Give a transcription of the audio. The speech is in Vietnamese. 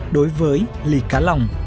đối với lý cá lòng